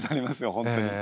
本当に。